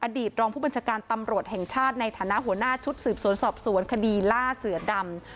ตรองผู้บัญชาการตำรวจแห่งชาติในฐานะหัวหน้าชุดสืบสวนสอบสวนคดีล่าเสือดำ